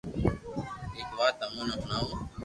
ايڪ وات تمون ني ڄڻاوو